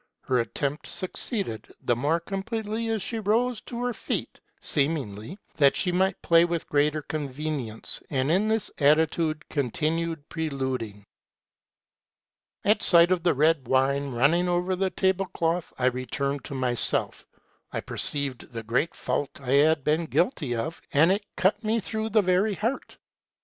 Her attempt succeeded ; the more completely as she rose to her feet, seemingly that she might play with greater convenience, and in this attitude continued preluding. " At sight of the red wine running over the tablecloth, I returned to myself. I perceived the great fault I had been guilty of, and it cut me through the very heart.